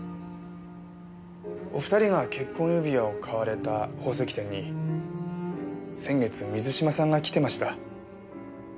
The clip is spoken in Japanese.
お二人が結婚指輪を買われた宝石店に先月水嶋さんが来てました。